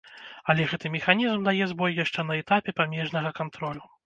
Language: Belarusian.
Але гэты механізм дае збой яшчэ на этапе памежнага кантролю.